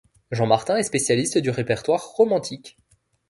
Jean Martin est spécialiste du répertoire romantique.